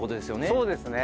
そうですね。